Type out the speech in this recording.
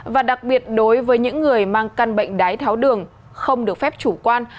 và đặc biệt đối với những người mang căn bệnh đái tháo đường không được phép chủ quan